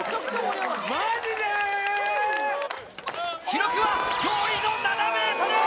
記録は驚異の７ｍ！